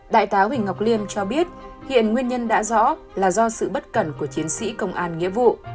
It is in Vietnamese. đại tá huỳnh ngọc liêm cho biết hiện nguyên nhân đã rõ là do sự bất cẩn của chiến sĩ công an nghĩa vụ